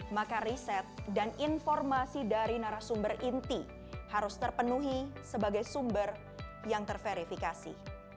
maka riset dan informasi dari narasumber inti harus terpenuhi sebagai sumber yang terverifikasi